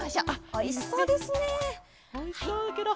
おいしそうケロ。